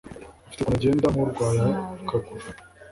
Afite ukuntu agenda nkurwaye akaguru